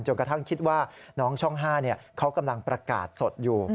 กระทั่งคิดว่าน้องช่อง๕เขากำลังประกาศสดอยู่